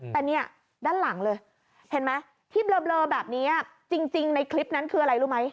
แต่เนี่ยด้านหลังเลยเห็นไหมที่เบลอแบบนี้จริงในคลิปนั้นคืออะไรรู้ไหม